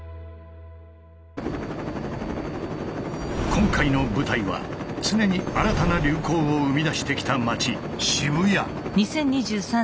今回の舞台は常に新たな流行を生み出してきた街渋谷。